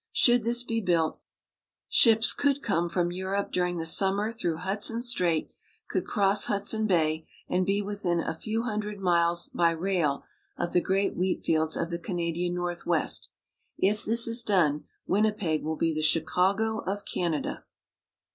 Should this be built, ships could come from Europe during the summer through Hudson Strait, could cross Hudson Bay, and be within a few hundred miles by rail of the great wheatfields of the Canadian Northwest. If this is done, Winnipeg will be the Chicago of Canada.